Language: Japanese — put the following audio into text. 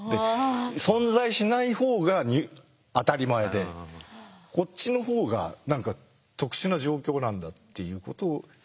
存在しないほうが当たり前でこっちのほうが何か特殊な状況なんだっていうことを。